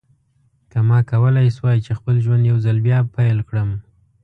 که ما کولای شوای چې خپل ژوند یو ځل بیا پیل کړم.